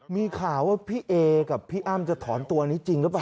มีข่าวว่าพี่เอกับพี่อ้ำจะถอนตัวนี้จริงหรือเปล่า